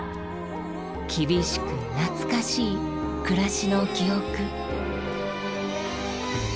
厳しく懐かしい暮らしの記憶。